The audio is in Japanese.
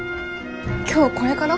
今日これから？